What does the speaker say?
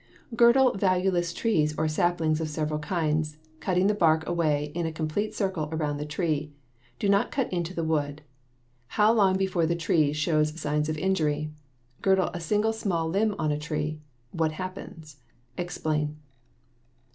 Girdle valueless trees or saplings of several kinds, cutting the bark away in a complete circle around the tree. Do not cut into the wood. How long before the tree shows signs of injury? Girdle a single small limb on a tree. What happens? Explain.